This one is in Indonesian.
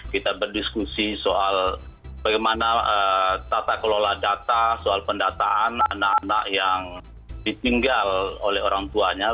kita berdiskusi soal bagaimana tata kelola data soal pendataan anak anak yang ditinggal oleh orang tuanya